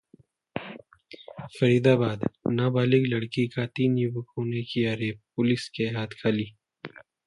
फरीदाबाद: नाबालिग लड़की का तीन युवकों ने किया रेप, पुलिस के हाथ खाली